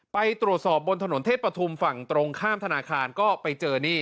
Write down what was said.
ไปตรวจสอบบนถนนเทศปฐุมฝั่งตรงข้ามธนาคารก็ไปเจอนี่